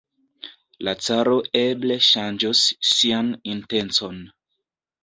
La caro eble ŝanĝos sian intencon.